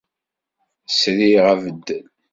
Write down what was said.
SriƔ abeddel.